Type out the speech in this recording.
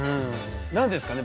何ですかね？